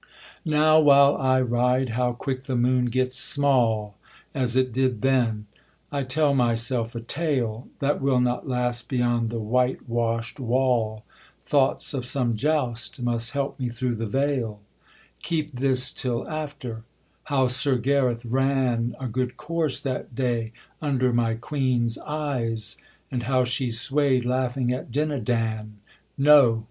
Now while I ride how quick the moon gets small, As it did then: I tell myself a tale That will not last beyond the whitewashed wall, Thoughts of some joust must help me through the vale, Keep this till after: How Sir Gareth ran A good course that day under my Queen's eyes, And how she sway'd laughing at Dinadan. No.